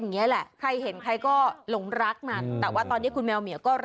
เลี้ยงเลยทั้ง๕ตัวพ่อแม่ด้วย